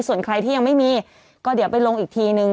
ส่วนใครที่ยังไม่มีก็เดี๋ยวไปลงอีกทีนึง